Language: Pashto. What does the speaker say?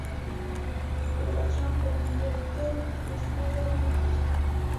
د بدخشان په یفتل کې د سرو زرو نښې شته.